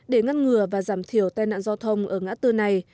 để ngăn ngừa và giảm thiểu tai nạn giao thông ở ngã tư này